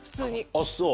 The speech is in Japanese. あっそう。